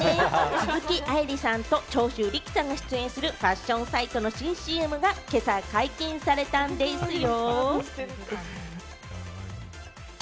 鈴木愛理さんと長州力さんが出演するファッションサイトの新ＣＭが今朝、解禁されたんですよ。